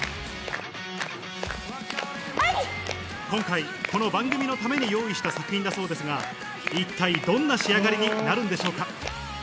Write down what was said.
今回この番組のために用意した作品だそうですが一体どんな仕上がりになるんでしょうか？